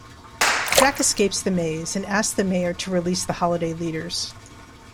Jack escapes the maze and asks the mayor to release the holiday leaders.